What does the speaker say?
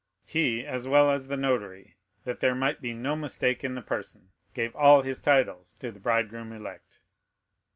He, as well as the notary, that there might be no mistake in the person, gave all his titles to the bridegroom elect.